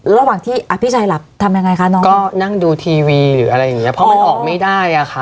ระหว่างที่อภิชัยหลับทำยังไงคะน้องก็นั่งดูทีวีหรืออะไรอย่างเงี้เพราะมันออกไม่ได้อ่ะค่ะ